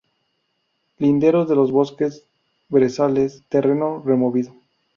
Linderos de los bosques, brezales, terreno removido.